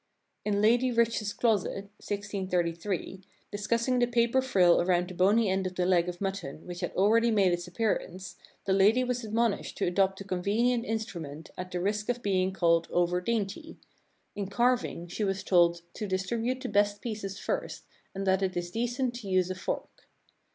In "Lady Rich's Closet" (1633), discussing the paper frill around the bony end of the leg of mut ton which had already made its appearance, the lady was admonished to adopt the convenient instrument at the risk of being called over dainty; in carving she was told "to distribute the best pieces first, and that it is decent to use a fork."